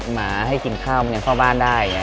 หมาให้กินข้าวมันยังเข้าบ้านได้